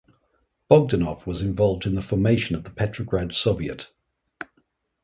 Bogdanov was involved in the formation of the Petrograd Soviet.